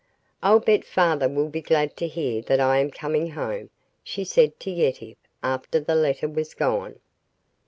"I'll bet father will be glad to hear that I am coming home," she said to Yetive, after the letter was gone.